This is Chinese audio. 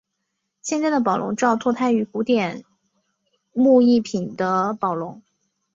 现在的宝龙罩脱胎于古典木艺品的宝笼。